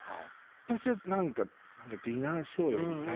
私はなんかディナーショーやりたい。